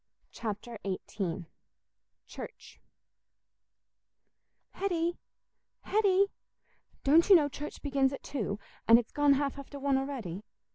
Chapter XVIII Church "Hetty, Hetty, don't you know church begins at two, and it's gone half after one a'ready?